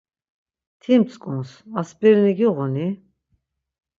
Ti mtzǩups, aspirini giğuni?